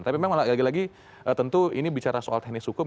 tapi memang lagi lagi tentu ini bicara soal teknis hukum